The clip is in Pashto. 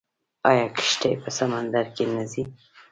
آیا کښتۍ په سمندر کې نه ځي؟